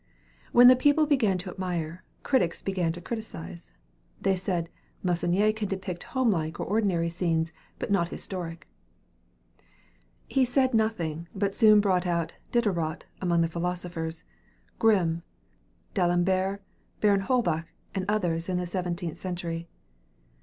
When the people began to admire, critics began to criticize. They said "Meissonier can depict homelike or ordinary scenes, but not historic." He said nothing, but soon brought out "Diderot" among the philosophers, Grimm, D'Alembert, Baron Holbach, and others in the seventeenth century.